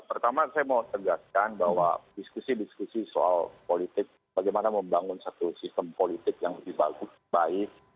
pertama saya mau tegaskan bahwa diskusi diskusi soal politik bagaimana membangun satu sistem politik yang lebih baik